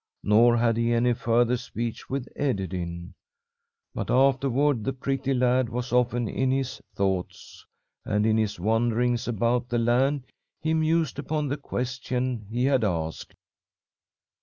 Nor had he any further speech with Ederyn. But afterward the pretty lad was often in his thoughts, and in his wanderings about the land he mused upon the question he had asked.